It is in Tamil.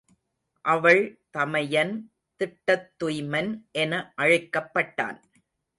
அவள் தமையன் திட்டத்துய்மன் என அழைக்கப்பட்டான்.